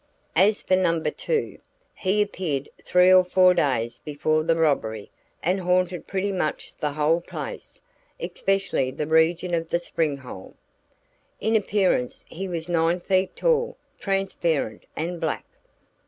"As for number two, he appeared three or four days before the robbery and haunted pretty much the whole place, especially the region of the spring hole. In appearance he was nine feet tall, transparent, and black.